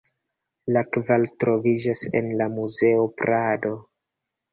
La kvar troviĝas en la Muzeo Prado.